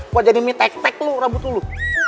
wajah nih mie tek tek lo rambut lo lo